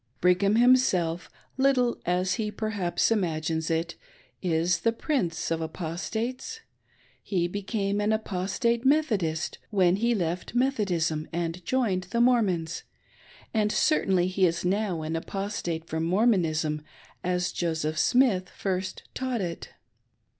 Brigham himselif, ■iittle ^s he perhaps imagines it, is the Prince of Apostates. He becam"2 an Apostate Methodist when he left Methodism and joiped the Mormons, and certainly he is now an. Apostate from Mormonism as Joseph Smith first taught it.